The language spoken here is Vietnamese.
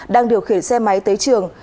đang điều khiển xe máy tới trường